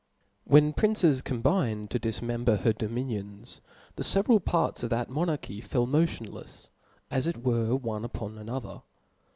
When princes combined to difmember her dominions, the feveral parts of that monarchy fell motionlefs, as it were, one. upon another.